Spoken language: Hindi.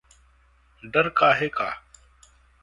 डर काहे का